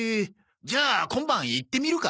じゃあ今晩行ってみるか！